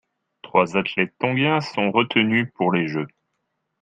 Trois athlètes tongiens sont retenus pour les Jeux.